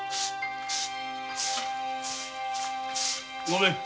ごめん。